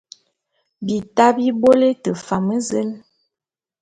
Bita bi bôle te mfan zen !